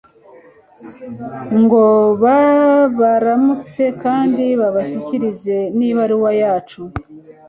ngo babaramutse kandi babashyikirize n'ibaruwa yacu